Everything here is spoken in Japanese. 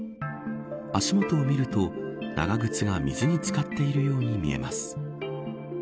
足元を見ると長靴が水に漬かっているように見えます。